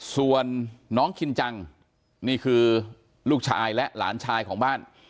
ส่วนน้องคินจังนี่คือลูกชายและหลานชายของบ้าน